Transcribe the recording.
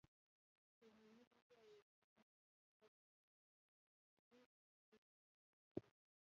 خو حامد ويل چې انتخاب د افغانستان د ملي وُجدان کار دی.